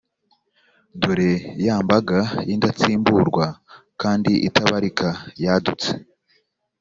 Dore, ya mbaga y’indatsimburwa kandi itabarika yadutse,